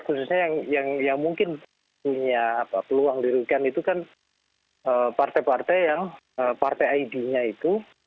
khususnya yang mungkin punya peluang dirugikan itu kan partai partai yang partai id nya itu